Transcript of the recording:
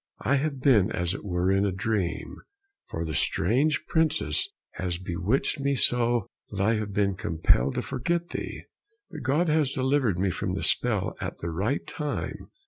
I have been as it were in a dream, for the strange princess has bewitched me so that I have been compelled to forget thee, but God has delivered me from the spell at the right time."